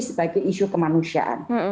sebagai isu kemanusiaan